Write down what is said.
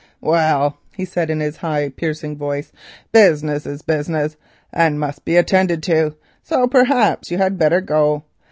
"Well," he said, in his high, piercing voice, "business is business, and must be attended to, so perhaps you had better go.